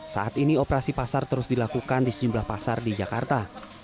saat ini operasi pasar terus dilakukan di sejumlah pasar di jakarta